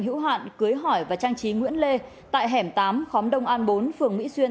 hữu hạn cưới hỏi và trang trí nguyễn lê tại hẻm tám khóm đông an bốn phường mỹ xuyên